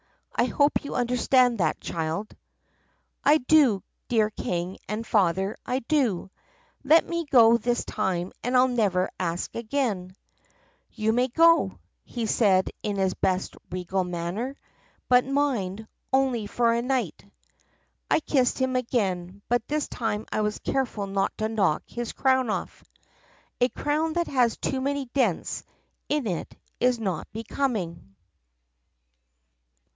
I hope you understand that, child.' " 'I do, dear King and Father, I do! Let me go this time and I 'll never ask again.' " 'You may go!' he said in his best regal manner. 'But mind — only for a night!' "I kissed him again, but this time I was careful not to knock his crown off. A crown that has too many dents in it is not becoming."